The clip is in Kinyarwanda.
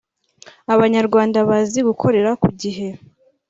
Abanyarwanda bazi gukorera ku gihe